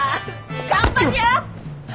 頑張りや！